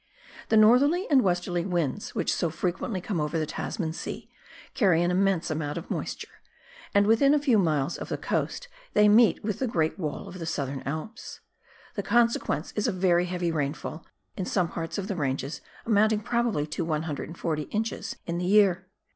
The northerly and westerly winds which so frequently come over the Tasman Sea carry an immense amount of moisture, and within a few miles of the coast they meet with the great wall of the Southern Alps ; the consequence is a very heavy rainfall, in some parts of the ranges amounting probably to 140 ins. in the year.